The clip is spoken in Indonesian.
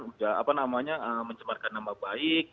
udah apa namanya mencemarkan nama baik